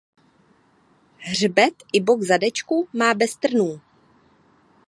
Hřbet i bok zadečku má bez trnů.